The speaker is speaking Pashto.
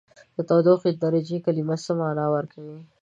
د تودوخې د درجې کلمه څه معنا ورکوي؟